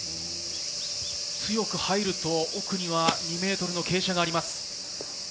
強く入ると、奥には２ｍの傾斜があります。